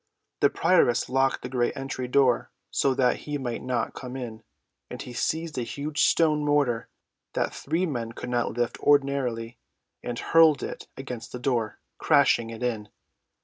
The prioress locked the great entry door so that he might not come in, and he seized a huge stone mortar that three men could not lift ordinarily and hurled it against the door, crashing it in.